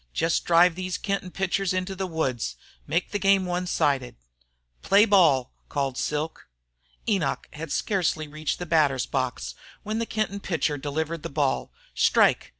Jest drive these Kenton pitchers to the woods. Make the game one sided." "Play ball!" called Silk. Enoch had scarcely reached the batter's box when the Kenton pitcher delivered the ball. "Strike!"